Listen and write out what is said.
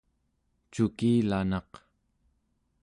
cukilanaq